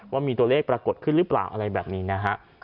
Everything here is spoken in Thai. ว่ามีตัวเลขปรากฏขึ้นหรือเปล่าอะไรแบบนี้นะฮะ